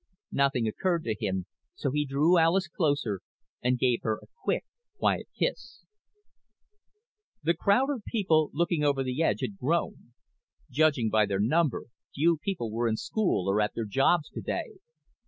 Nothing occurred to him, so he drew Alis closer and gave her a quick, quiet kiss. The crowd of people looking over the edge had grown. Judging by their number, few people were in school or at their jobs today.